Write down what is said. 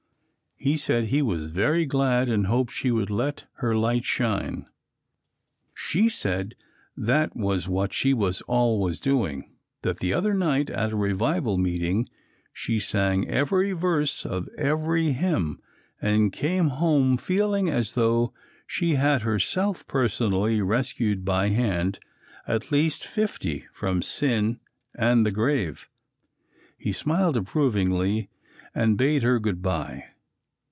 He said he was very glad and hoped she would let her light shine. She said that was what she was always doing that the other night at a revival meeting she sang every verse of every hymn and came home feeling as though she had herself personally rescued by hand at least fifty "from sin and the grave." He smiled approvingly and bade her good bye.